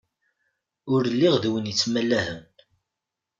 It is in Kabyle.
Ur lliɣ d win yettmalahen.